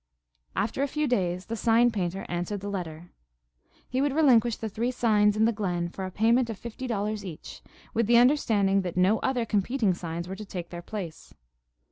After a few days the sign painter answered the letter. He would relinquish the three signs in the glen for a payment of fifty dollars each, with the understanding that no other competing signs were to take their place.